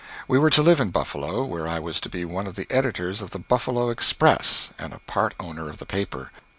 We were to live in Buffalo, where I was to be one of the editors of the Buffalo "Express," and a part owner of the paper.